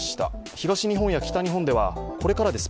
東日本や北日本ではピークはこれからです